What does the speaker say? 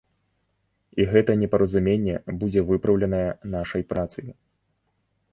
І гэта непаразуменне будзе выпраўленае нашай працай.